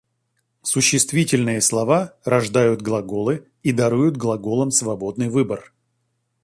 Существительные слова рождают глаголы и даруют глаголам свободный выбор.